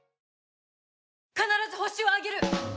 必ずホシを挙げる！